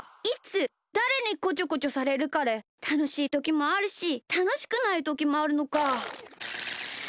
いつだれにこちょこちょされるかでたのしいときもあるしたのしくないときもあるのか。